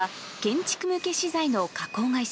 訪ねたのは、建築向け資材の加工会社。